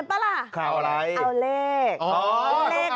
เอาอะไรเปล่าล่ะเอาเลข